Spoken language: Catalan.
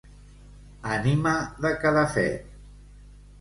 Ànima de cadafet.